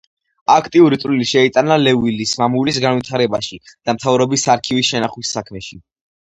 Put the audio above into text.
აქტიური წვლილი შეიტანა ლევილის მამულის განვითარებაში და მთავრობის არქივის შენახვის საქმეში.